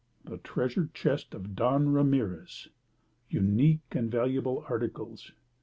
The treasure chest of Don Ramirez! Unique and valuable articles!